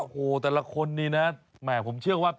โอ้โหแต่ละคนนี้นะแหมผมเชื่อว่า